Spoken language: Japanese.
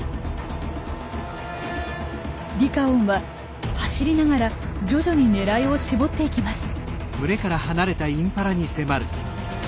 リカオンは走りながら徐々に狙いを絞っていきます。